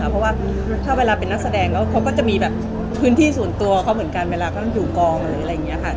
เพราะว่าถ้าเวลาเป็นนักแสดงก็จะมีคืนที่ส่วนตัวเหมือนกันเวลาก็อยู่กลองหมายถึง